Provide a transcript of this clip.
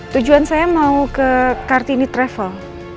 tujuan saya mau ke kartini travel